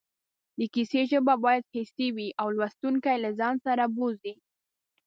د کیسې ژبه باید حسي وي او لوستونکی له ځان سره بوځي